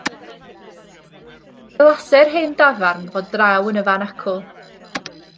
Mi ddylase'r hen dafarn fod draw yn y fan acw.